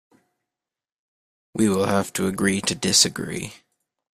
We will have to agree to disagree